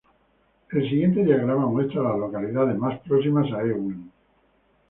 El siguiente diagrama muestra a las localidades más próximas a Ewing.